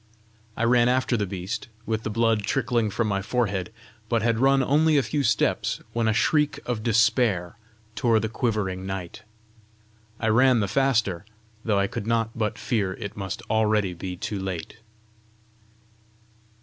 I ran after the beast, with the blood trickling from my forehead; but had run only a few steps, when a shriek of despair tore the quivering night. I ran the faster, though I could not but fear it must already be too late.